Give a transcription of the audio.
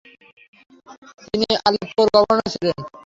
তিনি আলেপ্পোর গভর্নর ছিলেন।